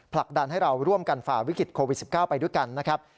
ผลักดันให้เราร่วมกันฝ่าวิกฤตโควิด๑๙ไปด้วยกันนะครับ